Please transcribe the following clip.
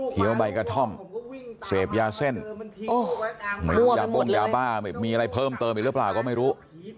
เทียบใบกระท่อมเสพยาเส้นมีอะไรเพิ่มเติมอีกหรือเปล่าก็ไม่รู้